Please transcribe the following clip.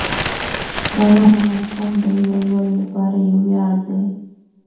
باران د افغانستان د هیوادوالو لپاره یو ویاړ دی.